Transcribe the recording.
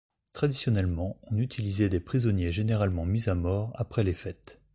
Traditionnellement, on utilisait des prisonniers généralement mis à mort après les fêtes.